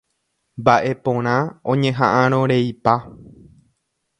Mbaʼeporã oñehaʼãrõreipa.